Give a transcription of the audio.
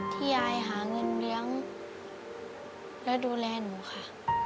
ที่ยายหาเงินเลี้ยงและดูแลหนูค่ะ